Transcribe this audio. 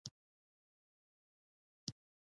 هغه د وېروس ضد وقايوي جامې پر تن کړې وې.